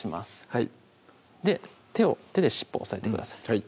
はい手で尻尾を押さえてください